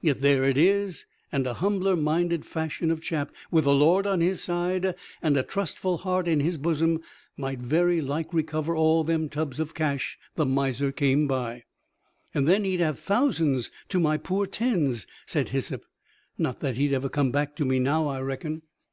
Yet there it is: and a humbler minded fashion of chap, with the Lord on his side, and a trustful heart in his bosom, might very like recover all them tubs of cash the miser come by." "And then he'd have thousands to my poor tens," said Hyssop. "Not that he'd ever come back to me now, I reckon."